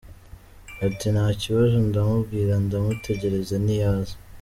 Ati : nta kibazo, ndamubwira, ndamutegereza ntiyaza.